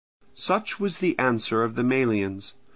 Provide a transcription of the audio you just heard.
Such was the answer of the Melians.